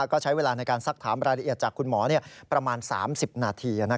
ก็ใช้เวลาในการซักถามรายละเอียดจากคุณหมอประมาณ๓๐นาที